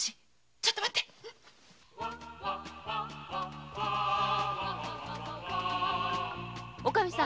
ちょっと待っておかみさん